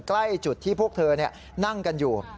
ใกล้จุดที่พวกเธอนั่งกันอยู่